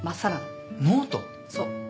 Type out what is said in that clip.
そう。